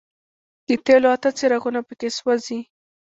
د تېلو اته څراغونه په کې سوځي.